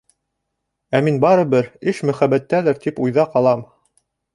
Ә мин барыбер, эш мөхәбәттәлер тип уйҙа ҡалам.